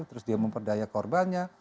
terus dia memperdaya korbannya